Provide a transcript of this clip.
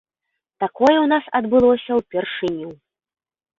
Такое ў нас адбылося ўпершыню.